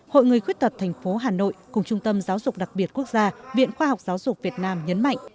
hội người khuyết tật thành phố hà nội cùng trung tâm giáo dục đặc biệt quốc gia viện khoa học giáo dục việt nam nhấn mạnh